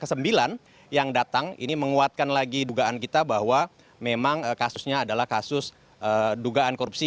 ke sembilan yang datang ini menguatkan lagi dugaan kita bahwa memang kasusnya adalah kasus dugaan korupsi